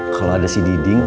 kalau ada si diding